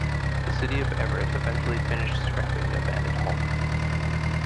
The city of Everett eventually finished scrapping the abandoned hulk.